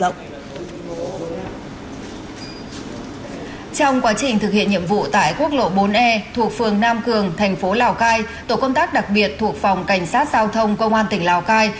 trong quá trình thực hiện nhiệm vụ tại quốc lộ bốn e thuộc phường nam cường thành phố lào cai tổ công tác đặc biệt thuộc phòng cảnh sát giao thông công an tỉnh lào cai